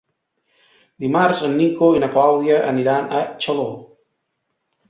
Dimarts en Nico i na Clàudia aniran a Xaló.